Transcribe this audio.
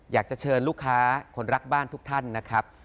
อยากจะเชิญลูกค้าคนรักบ้านทุกท่านนะครับ